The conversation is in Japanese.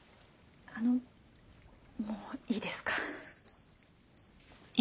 あのもういいですか？